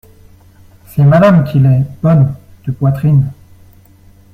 C’est Madame qui l’est, bonne… de poitrine…